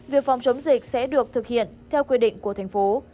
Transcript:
việc phòng chống dịch sẽ được thực hiện theo quy định của thành phố